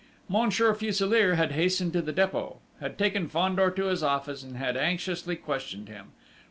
Monsieur Fuselier had hastened to the Dépôt, had taken Fandor to his office, and had anxiously questioned him.